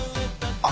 あっ！